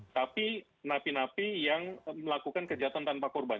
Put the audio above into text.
tapi napi napi yang melakukan kejahatan tanpa korban